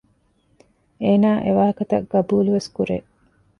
އޭނާ އެވާހަކަތައް ޤަބޫލުވެސް ކުރޭ